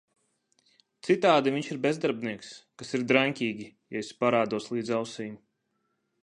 Citādi viņš ir bezdarbnieks - kas ir draņķīgi, ja esi parādos līdz ausīm…